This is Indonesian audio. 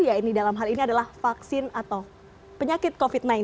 ya ini dalam hal ini adalah vaksin atau penyakit covid sembilan belas